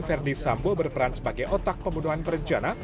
verdi sambo berperan sebagai otak pembunuhan berencana